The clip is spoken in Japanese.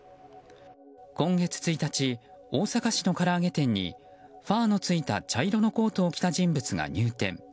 今月１日、大阪市のから揚げ店にファーのついた茶色のコートを着た人物が入店。